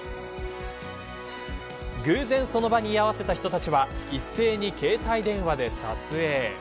偶然その場に居合わせた人たちは一斉に携帯電話で撮影。